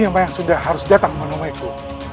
bayang sunda harus datang menemuku